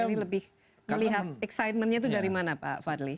lebih melihat excitementnya itu dari mana pak fadli